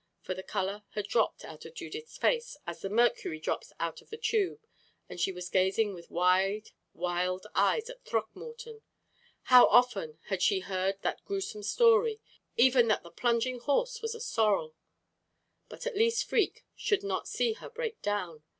For the color had dropped out of Judith's face as the mercury drops out of the tube, and she was gazing with wide, wild eyes at Throckmorton. How often had she heard that grewsome story even that the plunging horse was a sorrel! But at least Freke should not see her break down.